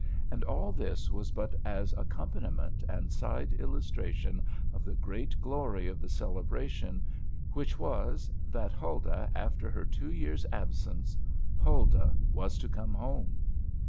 And all this was but as accompaniment and side illustration of the great glory of the celebration, which was, that Huldah, after her two years' absence, Huldah was to come home.